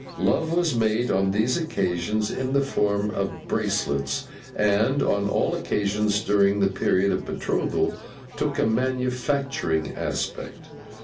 Love was made on these occasions in the form of bracelets; and, on all occasions during the period of betrothal, took a manufacturing aspect.